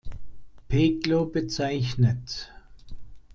Peklo bezeichnet